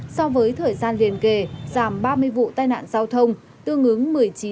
so với thời gian liền kề giảm ba mươi vụ tai nạn giao thông tương ứng một mươi chín